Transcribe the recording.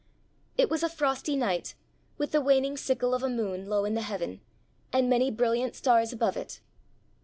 It was a frosty night, with the waning sickle of a moon low in the heaven, and many brilliant stars above it.